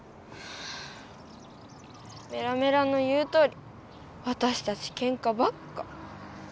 メラメラの言うとおりわたしたちけんかばっか。